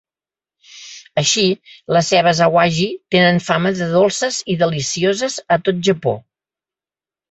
Així, les cebes Awaji tenen fama de dolces i delicioses a tot Japó.